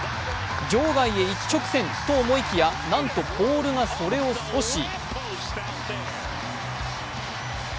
場外へ一直線と思いきやなんとポールがそれを阻止。